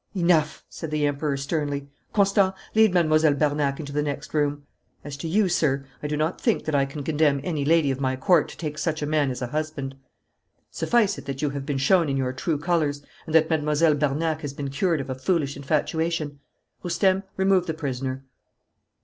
'Enough!' said the Emperor sternly. 'Constant, lead Mademoiselle Bernac into the next room. As to you, sir, I do not think that I can condemn any lady of my Court to take such a man as a husband. Suffice it that you have been shown in your true colours, and that Mademoiselle Bernac has been cured of a foolish infatuation. Roustem, remove the prisoner!'